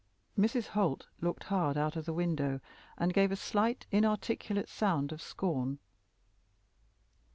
Mrs. Holt looked hard out of the window and gave a slight, inarticulate sound of scorn.